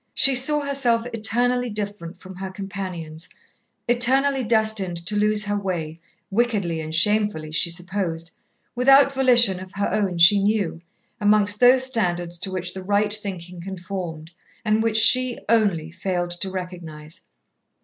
She saw herself eternally different from her companions, eternally destined to lose her way, wickedly and shamefully she supposed, without volition of her own she knew, amongst those standards to which the right thinking conformed, and which she, only, failed to recognize.